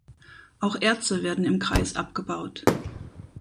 Auch Erze werden im Kreis abgebaut.